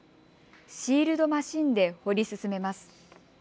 シールドマシンで掘り進めます。